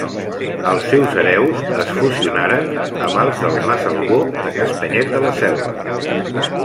Els seus hereus es fusionaren amb els del mas Albó de Castanyet de la Selva.